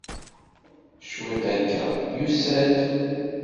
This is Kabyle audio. Cwiṭ akka, yusa-d.